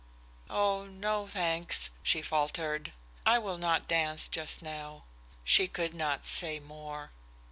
"Oh no, thanks," she faltered, "I will not dance just now." She could not say more.